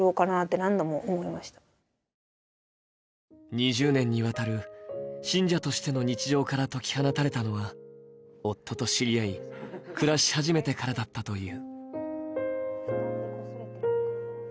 ２０年にわたる信者としての日常から解き放たれたのは夫と知り合い、暮らし始めてからだったという。